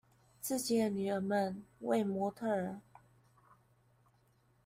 以自己女兒們為模特兒